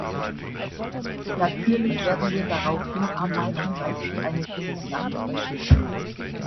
Natürlich werden wir darauf hinarbeiten, weil es eine gute Sache wäre.